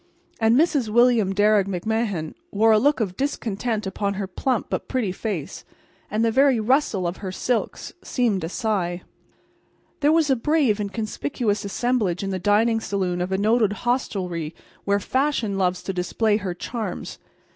And Mrs. William Darragh McMahan wore a look of discontent upon her plump but pretty face, and the very rustle of her silks seemed a sigh. There was a brave and conspicuous assemblage in the dining saloon of a noted hostelry where Fashion loves to display her charms.